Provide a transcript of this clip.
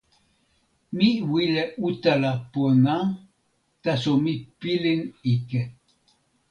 mi wile utala pona. taso mi pilin ike.